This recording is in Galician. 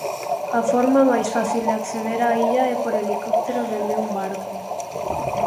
A forma máis fácil de acceder á illa é por helicóptero dende un barco.